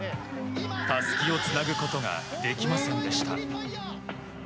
たすきをつなぐことができませんでした。